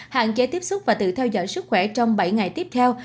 hạn chế tiếp xúc và tự theo dõi sức khỏe trong bảy ngày tiếp theo